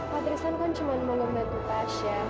pak tristan kan cuma mau ngebantu tasya